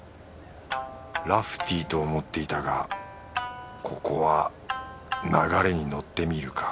ラフティーと思っていたがここは流れに乗ってみるか